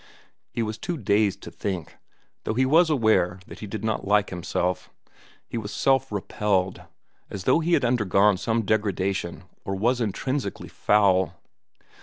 He was too dazed to think, though he was aware that he did not like himself. He was self repelled, as though he had undergone some degradation or was intrinsically foul.